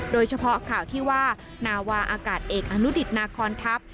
โดยเฉพาะข่าวที่ว่านาวาอากาศเอกอนุดิตนาคอนทัพ